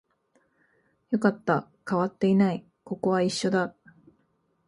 よかった、変わっていない、ここは一緒だ